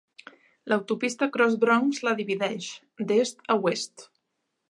L'autopista Cross Bronx la divideix, d'est a oest.